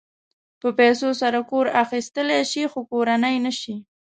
په پیسو سره کور اخيستلی شې خو کورنۍ نه شې.